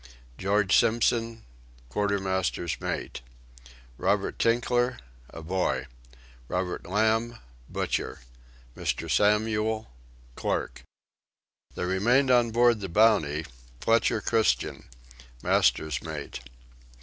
George Simpson: Quarter Master's Mate. Robert Tinkler: A boy. Robert Lamb: Butcher. Mr. Samuel: Clerk. There remained on board the Bounty: Fletcher Christian: Master's Mate.